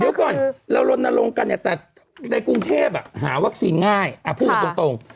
เดี๋ยวก่อนเราลนลงกันเนี่ยแต่ในกรุงเทพหาวัคซีนง่ายพูดกันตรง